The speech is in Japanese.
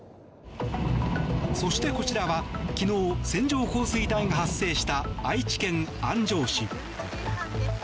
そしてこちらは昨日、線状降水帯が発生した愛知県安城市。